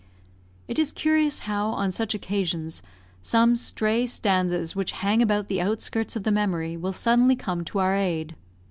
It is curious how, on such occasions, some stray stanzas which hang about the outskirts of the memory, will suddenly come to our aid.